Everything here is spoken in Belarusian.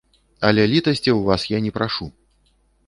Але літасці ў вас я не прашу!